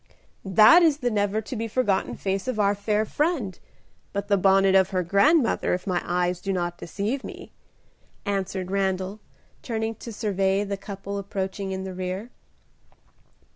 "That is the never to be forgotten face of our fair friend, but the bonnet of her grandmother, if my eyes do not deceive me," answered Randal, turning to survey the couple approaching in the rear.